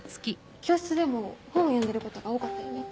教室でも本を読んでることが多かったよね？